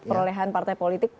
perolehan partai politik